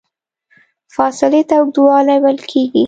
فاصلې ته اوږدوالی ویل کېږي.